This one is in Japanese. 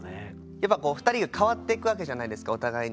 やっぱこう２人が変わっていくわけじゃないですかお互いに。